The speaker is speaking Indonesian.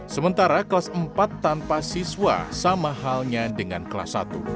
sementara kelas empat tanpa siswa sama halnya dengan kelas satu